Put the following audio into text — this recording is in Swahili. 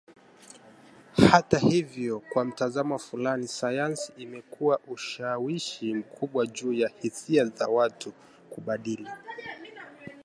Hata hivyo kwa mtazamo fulani, sayansi imekua ushawishi mkubwa juu ya hisia za watu, kubadili